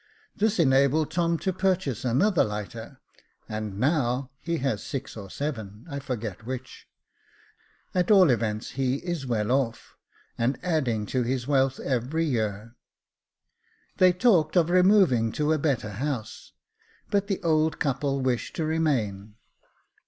This enabled Tom to purchase another lighter, and now he has six or seven, I forget which ; at all events, he is well off, and adding to his wealth every year» They talked of removing to a better house, but the old couple wish to remain.